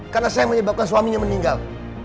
karena saya menyebabkan suaminya meninggal